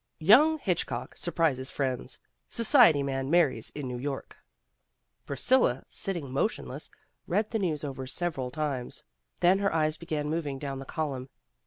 YOUNG HITCHCOCK SURPRISES FRIENDS SOCIETY MAN MARRIES IN NEW YORK Priscilla, sitting motionless, read the news over several times. Then her eyes began mov ing down the column.